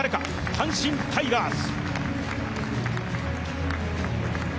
阪神タイガース。